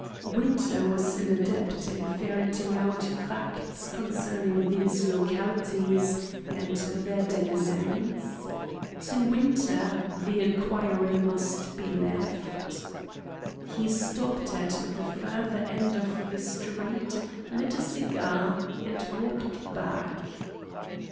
Winter was an adept in ferreting out facts concerning these localities and their denizens. To Winter the inquiry must be left. He stopped at the further end of the street, lit a cigar, and walked back.